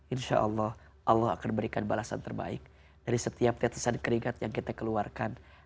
insyaallah allah akan diberikan balasan terbaik dari setiap tetesan kerigat yang kita keluarkan